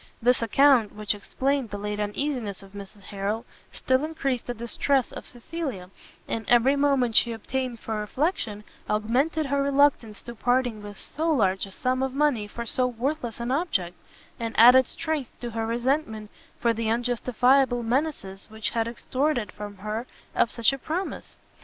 This account, which explained the late uneasiness of Mrs Harrel, still encreased the distress of Cecilia; and every moment she obtained for reflection, augmented her reluctance to parting with so large a sum of money for so worthless an object, and added strength to her resentment for the unjustifiable menaces which had extorted from her such a promise.